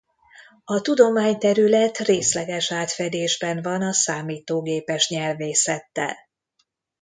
A tudományterület részleges átfedésben van a számítógépes nyelvészettel.